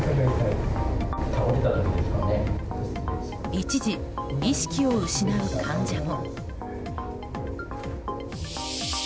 一時、意識を失う患者も。